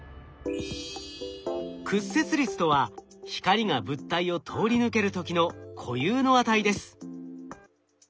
屈折率とは光が物体を通り抜ける時の固有の値です。